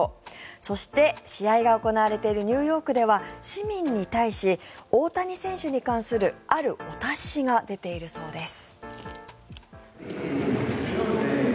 そして、試合が行われているニューヨークでは市民に対し、大谷選手に関するあるお達しが出ているそうです。